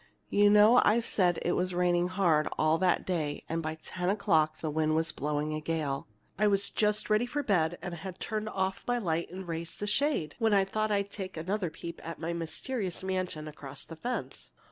You know I've said it was raining hard all that day, and by ten o'clock the wind was blowing a gale. I was just ready for bed, and had turned off my light and raised the shade, when I thought I'd take another peep at my mysterious mansion across the fence.